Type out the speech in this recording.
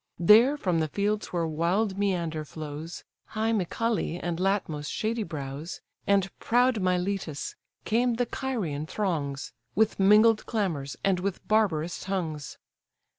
There, from the fields where wild Mæander flows, High Mycale, and Latmos' shady brows, And proud Miletus, came the Carian throngs, With mingled clamours and with barbarous tongues.